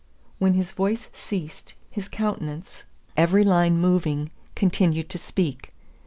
When his voice ceased, his countenance, every line moving, continued to speak.